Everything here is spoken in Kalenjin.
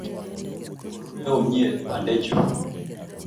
Koruryo komie bandechuu